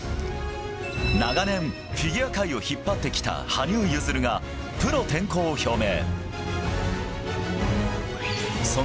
長年、フィギュア界を引っ張ってきた羽生結弦が、プロ転向を表明。